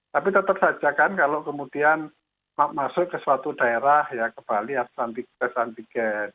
tapi tetap saja kan kalau kemudian masuk ke suatu daerah ya ke bali tes antigen